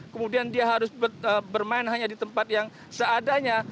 kemudian dia harus bermain hanya di tempat yang seadanya